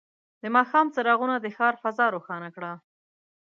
د ماښام څراغونه د ښار فضا روښانه کړه.